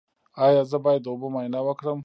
ایا زه باید د اوبو معاینه وکړم؟